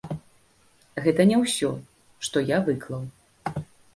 Гэта не ўсе што я выклаў.